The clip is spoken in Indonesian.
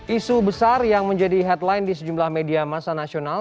isu besar yang menjadi headline di sejumlah media masa nasional